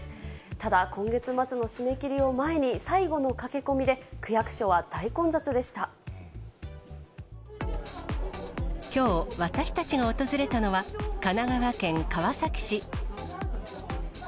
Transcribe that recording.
ただ、今月末の締め切りを前に、最後の駆け込みで、区役所は大混雑でしきょう、私たちが訪れたのは、神奈川県川崎市。